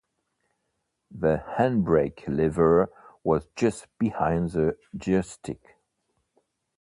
The handbrake lever was just behind the gearstick.